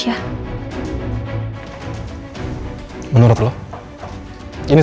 ini jangan berbohongan nih